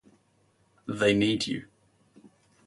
They need you.